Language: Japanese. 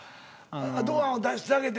あっ堂安は出してあげて。